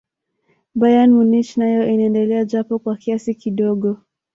bayern munich nayo inaendea japo kwa kiasi kidogo